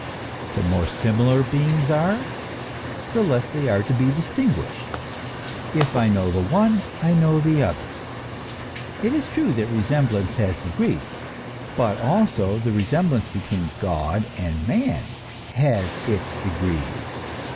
The more similar beings are, the less are they to be distinguished ; if I know the one, I know the other. It is true that resemblance has its de grees. But also the resemblance between God and man has its degrees.